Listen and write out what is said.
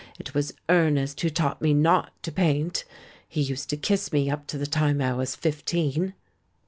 It was Ernest who taught me not to paint. He used to kiss me up to the time I was fifteen."